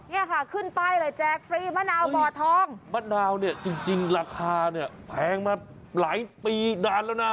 เนี่ยค่ะขึ้นป้ายเลยแจกฟรีมะนาวบ่อทองมะนาวเนี่ยจริงจริงราคาเนี่ยแพงมาหลายปีนานแล้วนะ